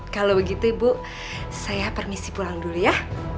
kalau begitu ibu saya permisi pulang dulu ya